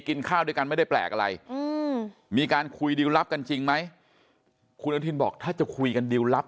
กินข้าวด้วยกันไม่ได้แปลกอะไรมีการคุยดิวรับกันจริงไหมคุณอนุทินบอกถ้าจะคุยกันดิวรับ